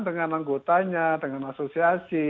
dengan anggotanya dengan asosiasi